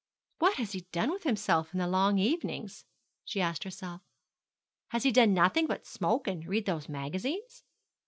'What has he done with himself in the long evenings?' she asked herself. 'Has he done nothing but smoke and read those magazines?'